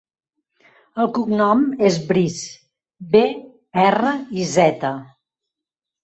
El cognom és Briz: be, erra, i, zeta.